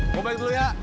gue balik dulu ya